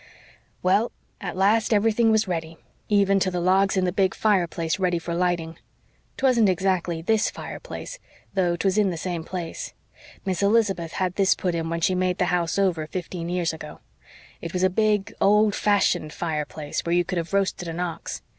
"Well, at last everything was ready even to the logs in the big fireplace ready for lighting. 'Twasn't exactly THIS fireplace, though 'twas in the same place. Miss Elizabeth had this put in when she made the house over fifteen years ago. It was a big, old fashioned fireplace where you could have roasted an ox.